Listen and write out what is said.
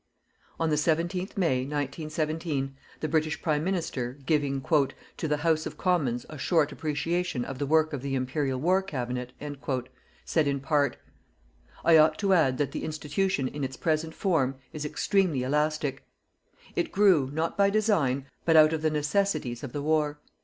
On the 17th May, 1917, the British Prime Minister, giving "to the House of Commons a short appreciation of the work of the Imperial War Cabinet," said in part: I ought to add that the institution in its present form is extremely elastic. It grew, not by design, but out of the necessities of the war.